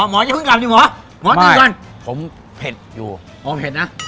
หมอจะคุ้นกลับดิหมอหมอตื่นก่อนไม่ผมเผ็ดอยู่อ๋อเผ็ดน่ะ